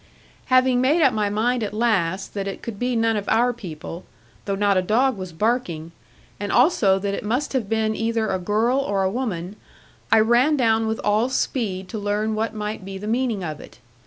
Having made up my mind at last, that it could be none of our people though not a dog was barking and also that it must have been either a girl or a woman, I ran down with all speed to learn what might be the meaning of it.